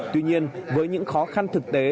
tuy nhiên với những khó khăn thực tế